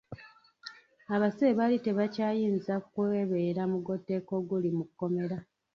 Abasibe baali tebakyayinza kwebeera mugoteeko oguli mu kkomera.